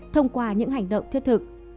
thông qua những hành động thiết thực